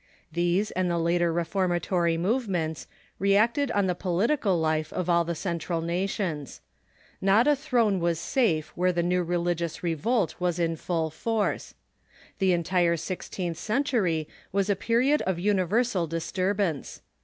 These and the later reformatory movements reacted on the political life of all the central nations. Not a throne was safe where the new religious revolt was in full force. The entire sixteenth century was a period of universal disturbance.